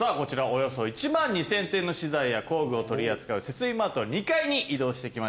およそ１万２０００点の資材や工具を取り扱う設備マート２階に移動してきました。